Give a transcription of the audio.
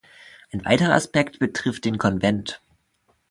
Ein weiterer Aspekt betrifft den Konvent.